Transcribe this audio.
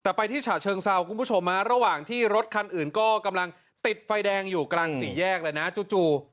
แต่ไปที่ฉะเชิงเซาคุณผู้ชมระหว่างที่รถคันอื่นก็กำลังติดไฟแดงอยู่กลางสี่แยกเลยนะจู่